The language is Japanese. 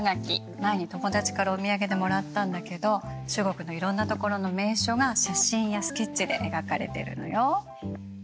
前に友達からお土産でもらったんだけど中国のいろんな所の名所が写真やスケッチで描かれてるのよ。